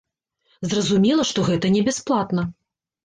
Зразумела, што гэта не бясплатна.